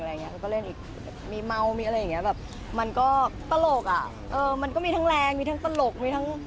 แล้วก็เล่นอีกแบบมีเมามีอะไรอย่างเงี้ยแบบมันก็ตลกอ่ะเออมันก็มีทั้งแรงมีทั้งตลกมีทั้ง